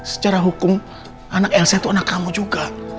secara hukum anak elsa itu anak kamu juga